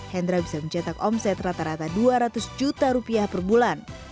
hendra bisa mencetak omset rata rata dua ratus juta rupiah per bulan